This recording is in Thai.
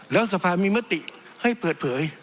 แล้วสภามีมติให้เปิดเผย